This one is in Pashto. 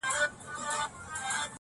خدای ږو چې مرکز د ښکلا سترګې دي